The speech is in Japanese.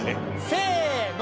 せの！